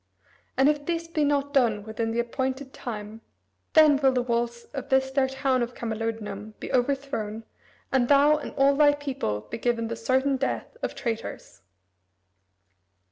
And if this be not done within the appointed time, then will the walls of this their town of Camalodunum be overthrown, and thou and all thy people be given the certain death of traitors."